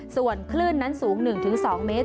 ส่วนคลื่นนั้นสูง๑๒เมตร